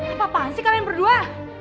apa apa sih kalian berdua